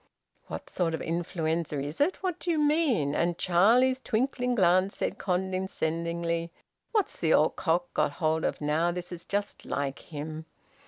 "What sort of influenza is it? What do you mean?" And Charlie's twinkling glance said condescendingly: "What's the old cock got hold of now? This is just like him."